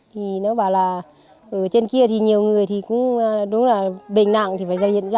thì nó bảo là ở trên kia thì nhiều người thì cũng đúng là bệnh nặng